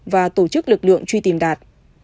và tổ chức lực lượng truy tìm đạt